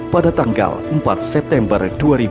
pada tanggal empat september dua ribu dua puluh